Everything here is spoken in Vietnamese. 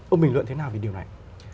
ông bình luận thế nào về điều này